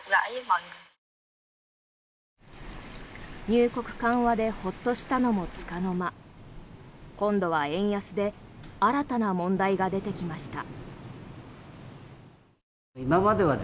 入国緩和でホッとしたのもつかの間今度は円安で新たな問題が出てきました。